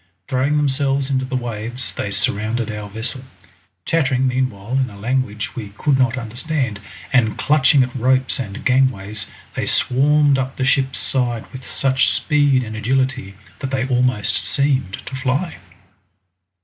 Throwing themselves into the waves they surrounded our vessel. Chattering meanwhile in a language we could not understand, and clutching at ropes and gangways, they swarmed up the ship's side with such speed and agility that they almost seemed to fly.